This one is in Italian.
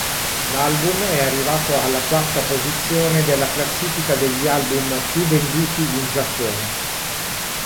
L'album è arrivato alla quarta posizione della classifica degli album più venduti in Giappone.